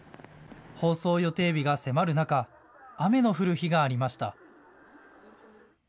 放送予定日が迫る中、雨の降る日がありました。